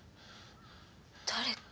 誰？